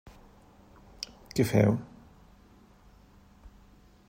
Què feu?